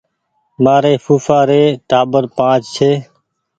مآري ڦوڦآ ري ٽآٻر پآنچ ڇي